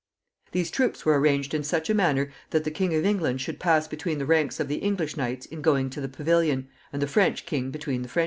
[I] These troops were arranged in such a manner that the King of England should pass between the ranks of the English knights in going to the pavilion, and the French king between the French knights.